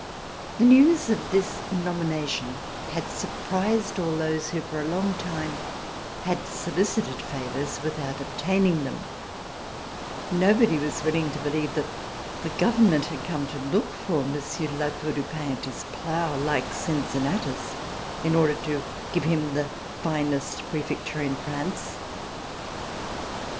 The news of this nomination had surprised all those who for a long time had solicited favors with out obtaining them. Nobody was willing to believe that the Government had come to look for Monsieur THE PREFECTURE AT BRUSSELS de La Tour du Pin at his plow, like Cincinnatus, in order to give him the finest j)refecturL in France.